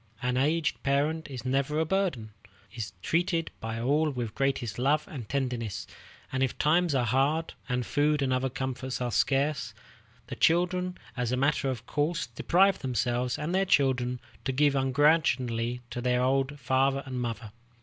An aged parent is never a burden, is treated by all with the greatest love and tenderness; and if times are hard, and food and other comforts are scarce, the children, as a matter of course, deprive themselves and their children to give ungrudgingly to their old father and mother.